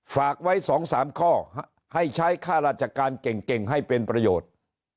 ฝากไว้๒๓ข้อให้ใช้ค่าราชการเก่งให้เป็นประโยชน์